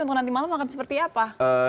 atau nanti malam akan seperti apa